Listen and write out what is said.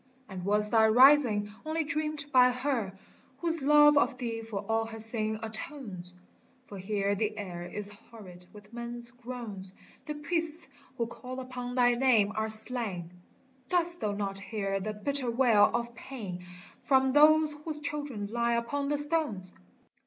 And was thy Rising only dreamed by Her Whose love of thee for all her sin atones ? For here the air is horrid with men's groans, The priests who call upon thy name are slain, Dost thou not hear the bitter wail of pain From those whose children lie upon the stones